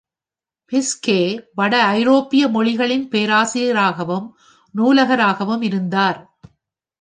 ஃபிஸ்கே வட ஐரோப்பிய மொழிகளின் பேராசிரியராகவும் நூலகராகவும் இருந்தார்.